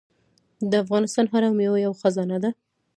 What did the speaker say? د افغانستان هره میوه یوه خزانه ده.